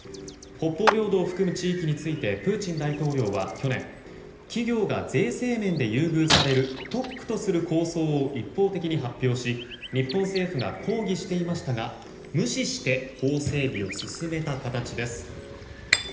北方領土を含む地域についてプーチン大統領は去年企業が税制面で優遇される特区とする構想を一方的に発表し日本政府が抗議していましたが無視して法整備を進めた形です。